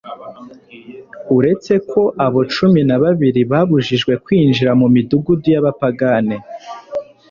uretse ko abo cumi na babiri babujijwe kwinjira mu midugudu y'abapagane